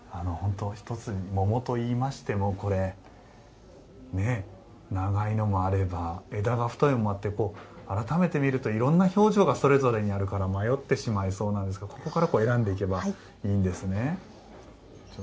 桃といいましても長いのもあれば枝が太いのもあって改めてみるといろんな表情があるので迷ってしまいそうなんですがここから選んでいけばいいんですね。